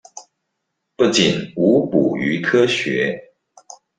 不僅無補於科學